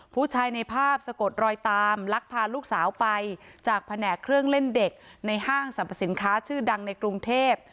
ผู้ชายในภาพสะกดรอยตามลักพาลูกสาวไปจากแผนกเครื่องเล่นเด็กในห้างสรรพสินค้าชื่อดังในกรุงเทพ